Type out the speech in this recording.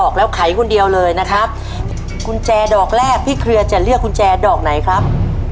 กุญแจดอกแรกพี่เครือจะเลือกกุญแจดอกไหนครับ